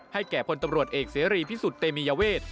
แก่พลตำรวจเอกเสรีพิสุทธิ์เตมียเวท